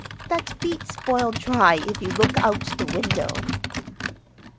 "That beets boil dry if you look out the window.